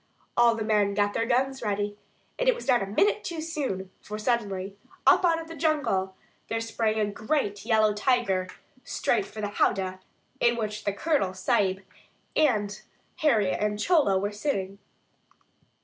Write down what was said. All the men got their guns ready, and it was not a minute too soon; for, suddenly, up out of the jungle, there sprang a great yellow tiger, straight for the "howdah" in which the Colonel Sahib and Harry and Chola were sitting.